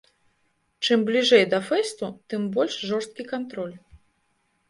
Чым бліжэй да фэсту, тым больш жорсткі кантроль.